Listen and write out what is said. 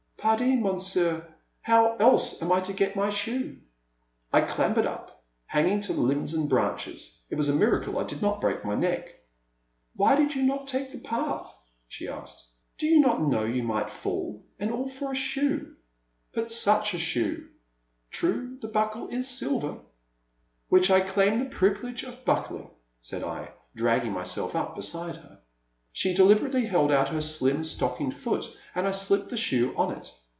Pardi, Monsieur, how else am I to get my shoe?" I clambered up, hanging to limbs and branches. It was a miracle I did not break my neck. Why do you not take the path ?'* she asked. Do you not know you might fall — and all for a shoe?'* *' But such a shoe— True, the buckle is sih'er —Which I claim the privilege of buckling,*' said I, dragging myself up beside her. She deliberately held out her slim stockinged foot, and I slipped the shoe on it.